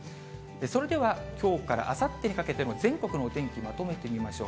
それでは、きょうからあさってにかけての全国のお天気、まとめてみましょう。